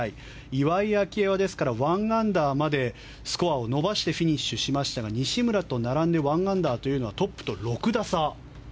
岩井明愛は、ですから１アンダーまでスコアを伸ばしてフィニッシュしましたが西村と並んで１アンダーというのはトップと６打差。